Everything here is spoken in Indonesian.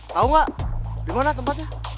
tau gak dimana tempatnya